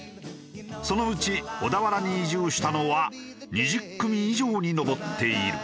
そのうち小田原に移住したのは２０組以上に上っている。